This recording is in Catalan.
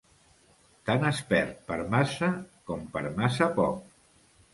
Tant es perd per massa com per massa poc.